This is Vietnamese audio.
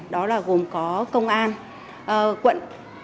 đó là gồm có công an quận